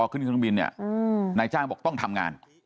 ขึ้นเครื่องบินเนี่ยนายจ้างบอกต้องทำงาน